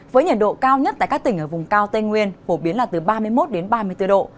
với nhiệt độ cao nhất tại các tỉnh ở vùng cao tây nguyên phổ biến là từ ba mươi một đến ba mươi bốn độ